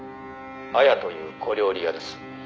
「“あや”という小料理屋です」